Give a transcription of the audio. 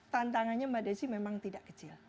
tantangannya mbak desi memang tidak kecil